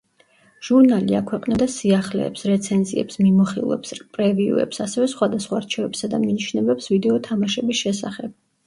ჟურნალი აქვეყნებდა სიახლეებს, რეცენზიებს, მიმოხილვებს, პრევიუებს, ასევე სხვადასხვა რჩევებსა და მინიშნებებს ვიდეო თამაშების შესახებ.